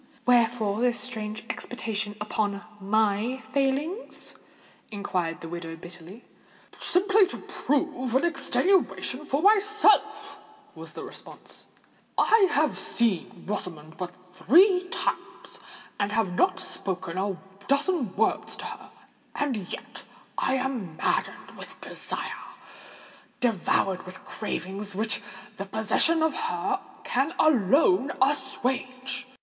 "Wherefore this strange expatiation upon my failings?" inquired the widow bitterly. "Simply to prove an extenuation for myself," was the response. "I have seen Rosamond but three times, and have not spoken a dozen words to her; and yet I am maddened with desire—devoured with cravings which the possession of her can alone assuage.